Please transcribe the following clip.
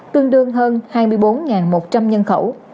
tương đương hơn hai mươi bốn một trăm linh nhân khẩu